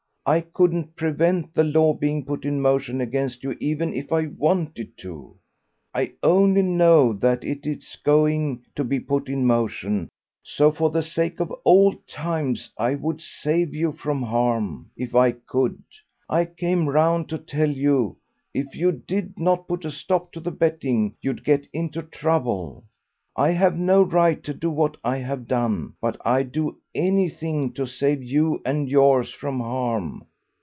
I couldn't prevent the law being put in motion against you even if I wanted to.... I only know that it is going to be put in motion, so for the sake of old times I would save you from harm if I could. I came round to tell you if you did not put a stop to the betting you'd get into trouble. I have no right to do what I have done, but I'd do anything to save you and yours from harm."